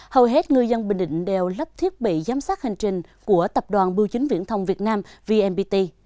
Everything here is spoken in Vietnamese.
hầu hết ngư dân bình định đều lắp thiết bị giám sát hành trình của tập đoàn bưu chính viễn thông việt nam vnpt